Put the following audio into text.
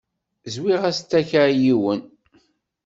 Zwiɣ-as takka i yiwen.